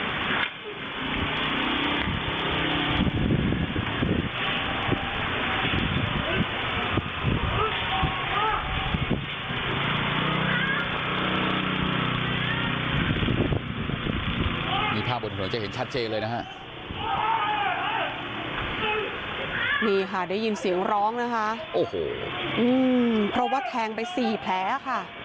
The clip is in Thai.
นี่ครับมีภาพบนของเราจะเห็นชัดเจนเลยนะฮะนี่ค่ะได้ยินเสียงร้องนะฮะเพราะว่าแทงไปสี่แพ้ค่ะ